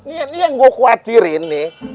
ini yang gue khawatirin